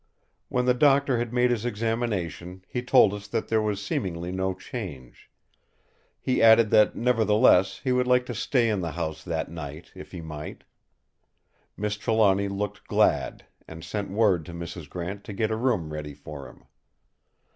When the Doctor had made his examination, he told us that there was seemingly no change. He added that nevertheless he would like to stay in the house that night if he might. Miss Trelawny looked glad, and sent word to Mrs. Grant to get a room ready for him.